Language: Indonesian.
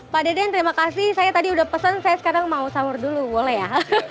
pak deden terima kasih saya tadi udah pesan saya sekarang mau sahur dulu boleh ya